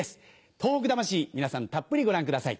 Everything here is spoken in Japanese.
東北魂皆さんたっぷりご覧ください。